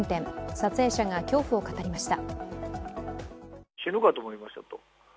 撮影者が恐怖を語りました。